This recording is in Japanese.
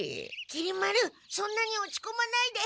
きり丸そんなに落ちこまないで。